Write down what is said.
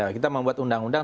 kita membuat undang undang